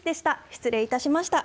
失礼いたしました。